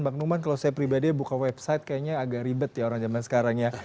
bang numan kalau saya pribadi buka website kayaknya agak ribet ya orang zaman sekarang ya